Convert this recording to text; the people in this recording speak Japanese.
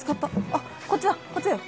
あっこっちだこっちだよ